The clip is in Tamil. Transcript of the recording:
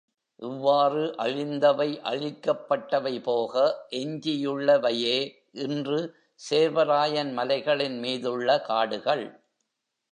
இவ்வாறு அழிந்தவை, அழிக்கப்பட்டவை போக எஞ்சியுள்ளவையே இன்று சேர்வராயன் மலைகளின் மீதுள்ள காடுகள்.